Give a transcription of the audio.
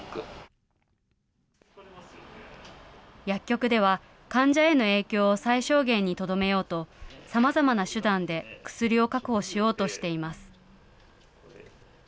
薬局では、患者への影響を最小限にとどめようと、さまざまな手段で薬を確保しようとしています。